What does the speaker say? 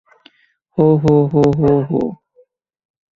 হো-হো, হো, হো-হো!